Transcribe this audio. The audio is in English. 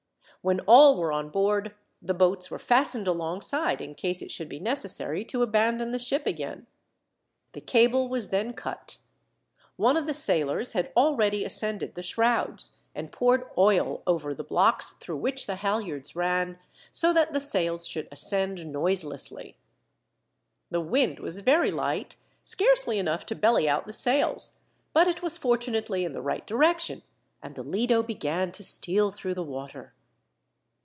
When all were on board, the boats were fastened alongside, in case it should be necessary to abandon the ship again. The cable was then cut. One of the sailors had already ascended the shrouds, and poured oil over the blocks through which the halyards ran, so that the sails should ascend noiselessly. The wind was very light, scarcely enough to belly out the sails, but it was fortunately in the right direction, and the Lido began to steal through the water.